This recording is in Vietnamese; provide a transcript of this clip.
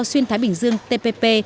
xuyên thái bình dương tpp